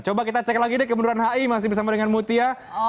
coba kita cek lagi deh ke bundaran hi masih bersama dengan mutia